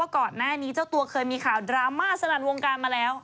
ก่อนหน้านี้เจ้าตัวเคยมีข่าวดราม่าสลัดวงการมาแล้ว